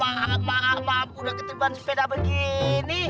maaf maaf maaf udah keterbang sepeda begini